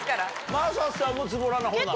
真麻さんもズボラな方なの？